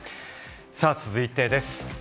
続いてです。